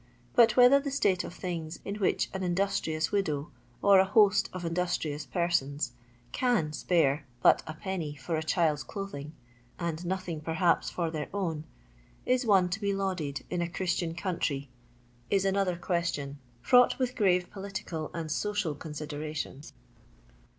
But whether the state of things in which an industrious widow, or a host of in dustrious persons, can, spare but Id. for a child's clothing (and nothing, perhaps, for their own), is one to be lauded in a Christian country, is another question, fraught with grave political and social considerations.